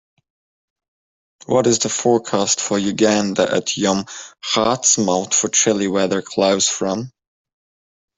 what is the forecast for Uganda at Yom Ha'atzmaut for chilly weather close from